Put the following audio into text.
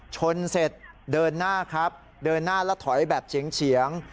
ชนเสร็จเดินหน้าครับเดินหน้าแล้วถอยแบบเฉียง